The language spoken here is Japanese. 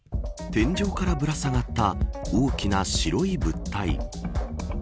天井からぶら下がった大きな白い物体。